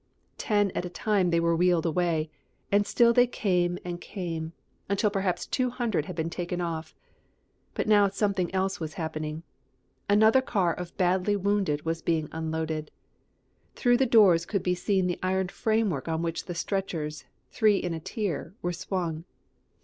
Ten at a time they were wheeled away. And still they came and came, until perhaps two hundred had been taken off. But now something else was happening. Another car of badly wounded was being unloaded. Through the windows could be seen the iron framework on which the stretchers, three in a tier, were swung.